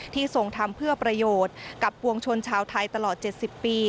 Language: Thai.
ทรงทำเพื่อประโยชน์กับปวงชนชาวไทยตลอด๗๐ปี